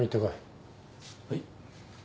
はい。